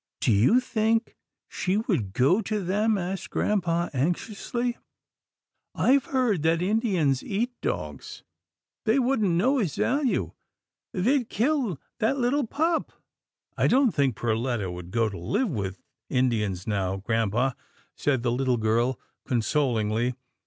"Do you think she would go to them?" asked grampa, anxiously, " I've heard that Indians eat dogs. They wouldn't know his value. They'd kill that little pup." " I don't think Perletta would go to live with Indians now, grampa," said the little girl consol ingly.